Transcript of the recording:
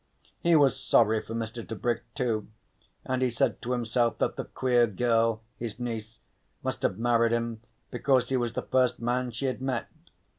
He was sorry for Mr. Tebrick too, and he said to himself that the queer girl, his niece, must have married him because he was the first man she had met.